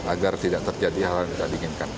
agar tidak terjadi hal yang kita inginkan